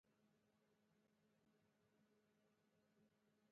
د ملا نجم الدین نوم له مهمو پېښو سره یادیږي.